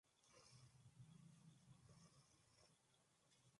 En la provincia de Sevilla da servicio al Aljarafe y la Sierra Norte.